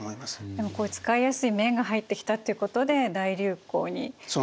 でもこういう使いやすい綿が入ってきたっていうことで大流行になったんですね。